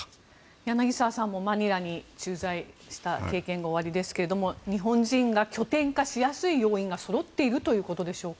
柳澤さんもマニラに駐在した経験がおありですが日本人が拠点化しやすい要因がそろっているということでしょうか。